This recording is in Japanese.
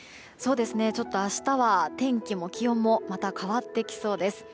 明日は天気も気温もまた変わってきそうです。